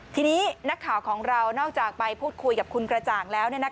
ทีนี้นักข่าวของเรานอกจากไปพูดคุยกับคุณกระจ่างแล้ว